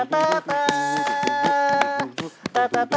ขอบคุณครับ